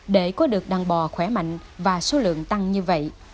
để có được đàn bò khỏe mạnh và số lượng tăng như vậy